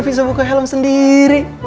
bisa buka helm sendiri